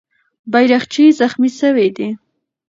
بیرغچی زخمي سوی دی.